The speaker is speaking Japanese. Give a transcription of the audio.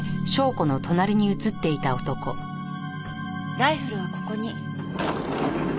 ライフルはここに。